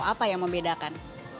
apa yang membedakan